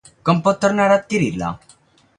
Com pot tornar a adquirir-la?